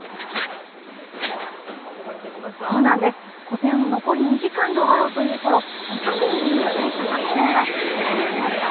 個展も残り２時間で終わろうというころ二科展で入選した作品が会場に到着しました。